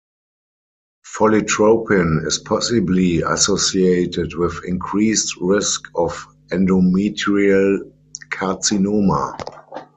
Follitropin is possibly associated with increased risk of endometrial carcinoma.